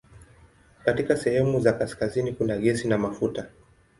Katika sehemu za kaskazini kuna gesi na mafuta.